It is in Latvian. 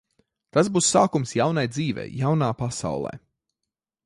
Tas būs sākums jaunai dzīvei jaunā pasaulē.